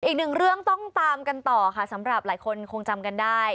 อีกหนึ่งเรื่องต้องตามกันต่อค่ะสำหรับหลายคนคงจำกันได้